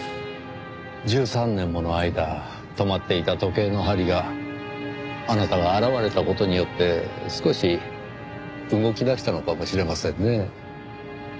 １３年もの間止まっていた時計の針があなたが現れた事によって少し動きだしたのかもしれませんね。